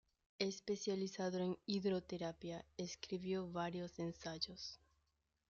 Especializado en hidroterapia, escribió varios ensayos.